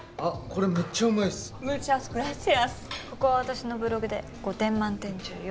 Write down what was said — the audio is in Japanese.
ここは私のブログで５点満点中４点なんで。